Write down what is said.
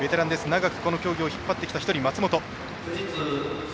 長くこの競技を引っ張ってきた松本。